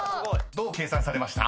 ［どう計算されました？］